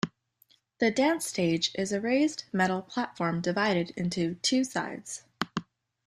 The dance stage is a raised metal platform divided into two sides.